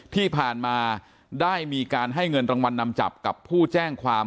ที่ผ่านมาได้มีการให้เงินรางวัลนำจับกับผู้แจ้งความ